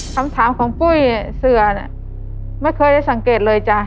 คำถามของปุ้ยเสือเนี่ยไม่เคยได้สังเกตเลยจ้ะ